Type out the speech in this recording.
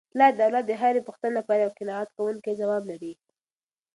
پلار د اولاد د هرې پوښتني لپاره یو قناعت کوونکی ځواب لري.